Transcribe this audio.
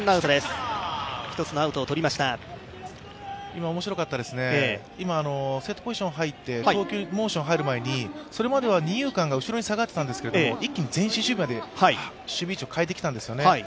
今、面白かったですね、セットポジションに入って投球モーション入る前に、それまでは二遊間が後ろに下がってたんですけれども、一気に前進守備まで守備位置を変えてきたんですよね。